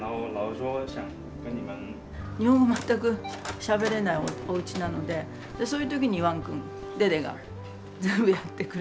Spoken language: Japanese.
日本語全くしゃべれないおうちなのでそういう時に王君デデが全部やってくれるのですごく。